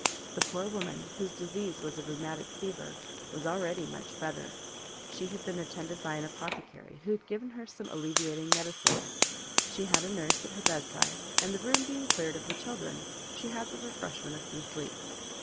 The poor woman, whose disease was a rheumatic fever, was already much better; she had been attended by an apothecary who had given her some alleviating medicine; she had a nurse at her bedside, and the room being cleared of the children, she had had the refreshment of some sleep.